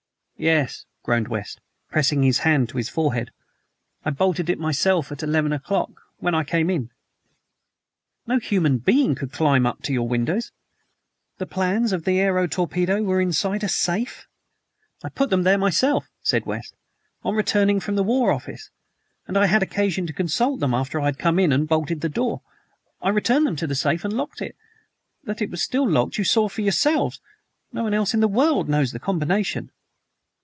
"Yes," groaned West, pressing his hand to his forehead. "I bolted it myself at eleven o'clock, when I came in." "No human being could climb up or down to your windows. The plans of the aero torpedo were inside a safe." "I put them there myself," said West, "on returning from the War Office, and I had occasion to consult them after I had come in and bolted the door. I returned them to the safe and locked it. That it was still locked you saw for yourselves, and no one else in the world knows the combination."